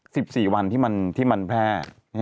๑๐สี่วันที่มันแพ้